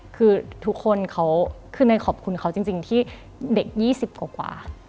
คือทุกคนเขาคือเนยขอบคุณเขาจริงที่เด็ก๒๐กว่า